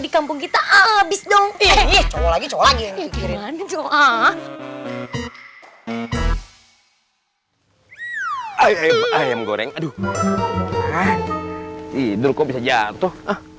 di kampung kita abis dong ini lagi lagi gimana coba ayam goreng aduh tidur kok bisa jatuh